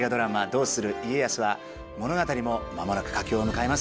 「どうする家康」は物語も間もなく佳境を迎えます。